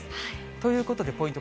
ということで、ポイント